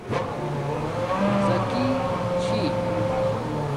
زَکی چھی